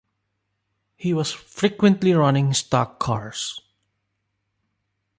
He was frequently running stock cars.